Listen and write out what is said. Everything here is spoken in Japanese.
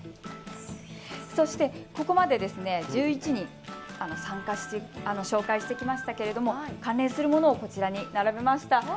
そして、ここまで１１人紹介してきましたけれども関連するものをこちらに並べました。